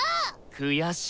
悔しい。